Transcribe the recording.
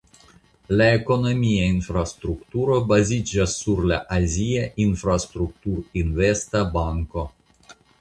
La ekonomia infrastrukturo baziĝas sur la Azia Infrastrukturinvesta Banko.